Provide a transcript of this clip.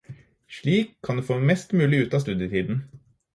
Slik kan du få mest mulig ut av studietiden